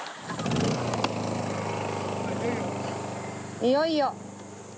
いよいよ。